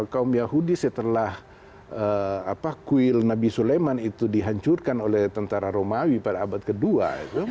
kaum yahudi setelah kuil nabi sulaiman itu dihancurkan oleh tentara romawi pada abad kedua